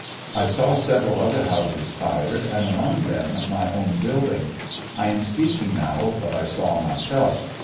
I saw several other houses fired, and among them my own building. I am speaking now of what I saw myself.